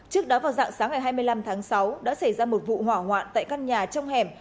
trước đó vào dạng sáng ngày hai mươi năm tháng sáu đã xảy ra một vụ hỏa hoạn tại căn nhà trong hẻm